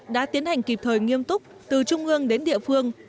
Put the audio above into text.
đã tiến hành kịp thời nghiêm túc từ trung ương đến địa phương